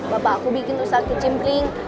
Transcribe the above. bapak aku bikin usaha sakit cimpling